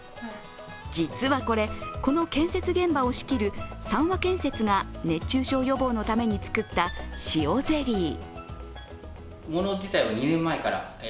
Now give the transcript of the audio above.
実はこれ、この建設現場を仕切る三和建設が熱中症予防のために作ったしおゼリー。